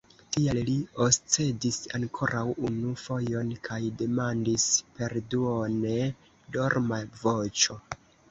Tial li oscedis ankoraŭ unu fojon kaj demandis per duone dorma voĉo.